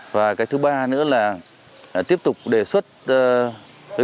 và cái thứ ba nữa là tiếp tục đề xuất với các cơ quan